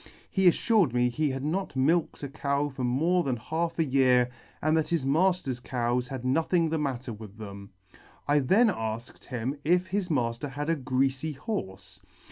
He afllired me he had not milked a cow for more than half a year, and that his mafter's cows had nothing the matter with them. I then alked him if his mafter had a greafy horfe